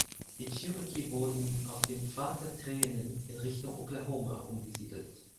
Die Cherokee wurden auf dem Pfad der Tränen in Richtung Oklahoma umgesiedelt.